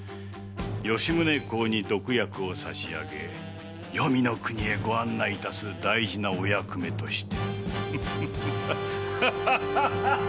吉宗公に毒薬を差し上げ黄泉の国へご案内いたす大事なお役目として。